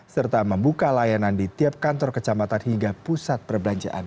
serta membuka layanan di tiap kantor kecamatan hingga pusat perbelanjaan